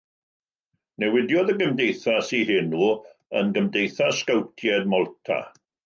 Newidiodd y gymdeithas ei henw yn Gymdeithas Sgowtiaid Malta.